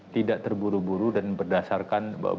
tidak terburu buru dan berdasarkan bahwa